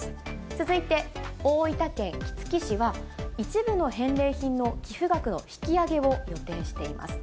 続いて大分県杵築市は、一部の返礼品の寄付額の引き上げを予定しています。